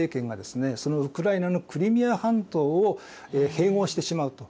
そのウクライナのクリミア半島を併合してしまうと。